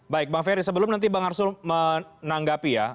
baik bang ferry sebelum nanti bang arsul menanggapi ya